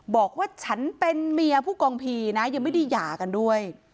บอกว่าฉันเป็นเมียผู้กองพีนะยังไม่ได้หย่ากันด้วย